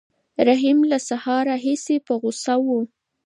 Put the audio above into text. رحیم له سهار راهیسې په غوسه و.